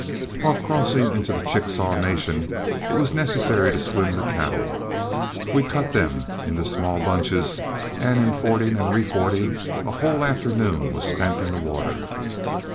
While crossing into the Chickasaw Nation it was necessary to swim the cattle. We cut them into small bunches, and in fording and refording a whole afternoon was spent in the water.